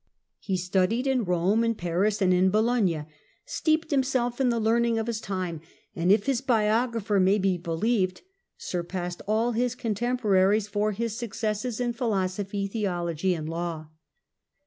He studied in Rome, in Paris and in Bologna, steeped himself in the learning of his tim'e, and, if his biographer may be believed, " surpassed all his contem poraries by his successes in philosophy, theology, and law."